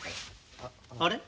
あれ？